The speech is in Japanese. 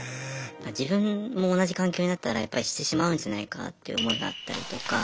自分も同じ環境になったらやっぱしてしまうんじゃないかっていう思いがあったりとか。